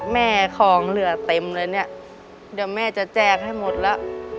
แม่ของเหลือเต็มเลยเนี่ยเดี๋ยวแม่จะแจกให้หมดแล้ว